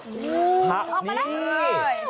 โอ้โหออกมาแล้ว